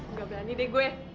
nggak berani deh gue